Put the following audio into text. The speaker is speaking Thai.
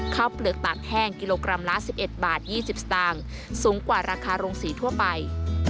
เปลือกตากแห้งกิโลกรัมละ๑๑บาท๒๐สตางค์สูงกว่าราคาโรงสีทั่วไป